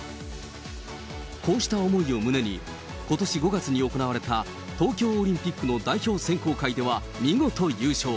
こうした思いを胸に、ことし５月に行われた、東京オリンピックの代表選考会では、見事、優勝。